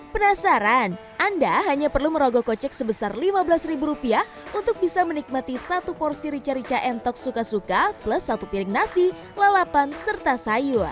penasaran anda hanya perlu merogoh kocek sebesar lima belas ribu rupiah untuk bisa menikmati satu porsi rica rica entok suka suka plus satu piring nasi lalapan serta sayur